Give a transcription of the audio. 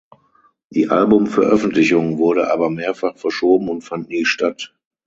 Die Albumveröffentlichung wurde aber mehrfach verschoben und fand nie statt.